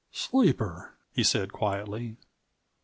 "Sleeper," he said quietly.